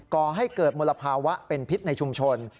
ก่อให้เกิดมลภาวะเป็นพิษในชุมชน